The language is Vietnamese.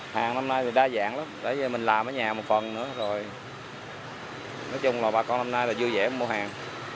hàng năm nay thì đa dạng lắm để mình làm ở nhà một phần nữa rồi nói chung là bà con hôm nay là vui vẻ mua hàng